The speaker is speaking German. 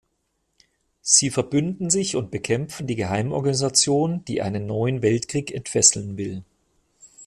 Sie verbünden sich und bekämpfen die Geheimorganisation, die einen neuen Weltkrieg entfesseln will.